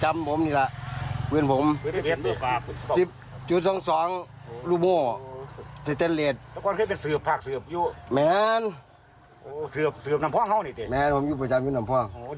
อารักษ์เป็นสารวัสด์นี่นะ